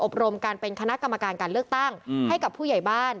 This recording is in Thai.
รมการเป็นคณะกรรมการการเลือกตั้งให้กับผู้ใหญ่บ้าน